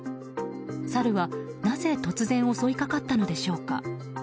サルはなぜ突然襲いかかったのでしょうか。